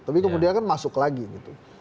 tapi kemudian kan masuk lagi gitu